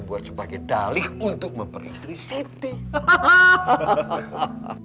buat sebagai dalih untuk memperistri siti hahaha